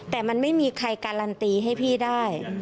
แต่มันไม่มีใครการันตีให้พี่ได้